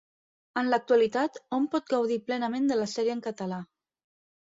En l'actualitat, hom pot gaudir plenament de la sèrie en català.